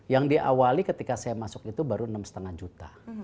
yang diawali ketika saya masuk itu baru enam lima juta